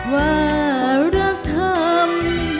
ว่ารักทำ